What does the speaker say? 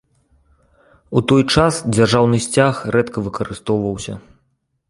У той час дзяржаўны сцяг рэдка выкарыстоўваўся.